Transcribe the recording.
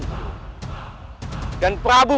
sebagai para penyusup